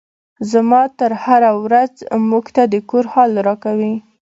زما تره هره ورځ موږ ته د کور حال راکوي.